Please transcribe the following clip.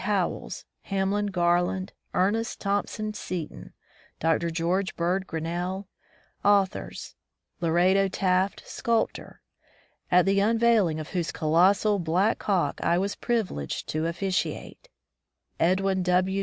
Howells, Hamlin Garland, Ernest Thompson Seton, Dr.George Bird Grinnell, authors; Lorado Taft, sculp tor (at the unveiling of whose colossal Black Hawk I was privileged to officiate), Edwin W.